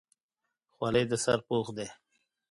خولۍ د سر پوښ دی.